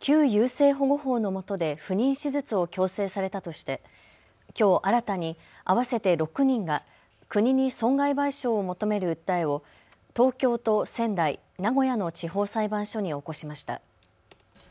旧優生保護法のもとで不妊手術を強制されたとしてきょう新たに合わせて６人が国に損害賠償を求める訴えを東京と仙台、名古屋の地方裁判所に起こしました。